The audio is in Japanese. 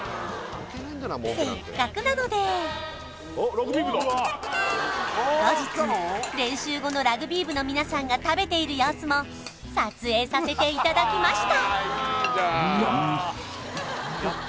せっかくなので後日練習後のラグビー部の皆さんが食べている様子も撮影させていただきました